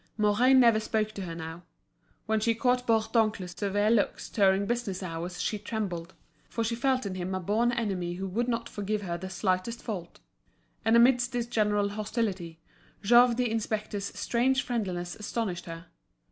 Mouret never spoke to her now. When she caught Bourdoncle's severe looks during business hours she trembled, for she felt in him a born enemy who would not forgive her the slightest fault. And amidst this general hostility, Jouve the inspector's strange friendliness astonished her.